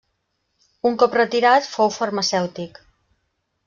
Un cop retirat fou farmacèutic.